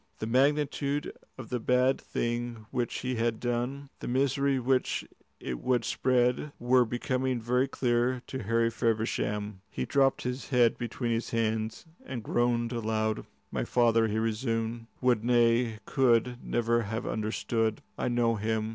The magnitude of the bad thing which he had done, the misery which it would spread, were becoming very clear to Harry Feversham. He dropped his head between his hands and groaned aloud. "My father," he resumed, "would, nay, could, never have understood. I know him.